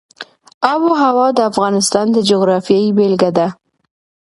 آب وهوا د افغانستان د جغرافیې بېلګه ده.